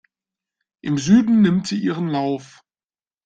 Im Süden nimmt sie ihren Lauf.